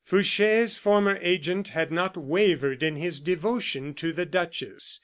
Fouche's former agent had not wavered in his devotion to the duchess.